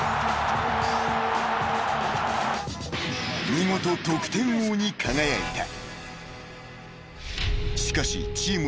［見事得点王に輝いた］